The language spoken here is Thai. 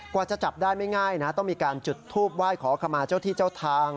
กว่าจะจับได้ไม่ง่ายนะต้องมีการจุดทูปไหว้ขอขมาเจ้าที่เจ้าทาง